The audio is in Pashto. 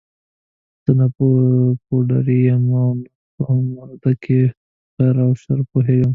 زه نه پوډري یم او نه هم مرده ګو، په خیر او شر پوهېږم.